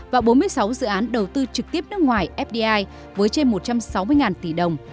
và bốn mươi sáu dự án đầu tư trực tiếp nước ngoài fdi với trên một trăm sáu mươi tỷ đồng